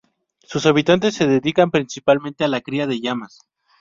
Sus habitantes se dedican principalmente a la cría de llamas.